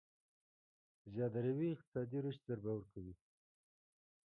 زياده روي اقتصادي رشد ضربه ورکوي.